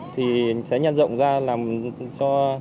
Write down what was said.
thì sẽ nhanh rộng ra làm cho